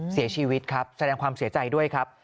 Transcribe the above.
เสียชีวิตครับแสดงความเสียใจด้วยครับ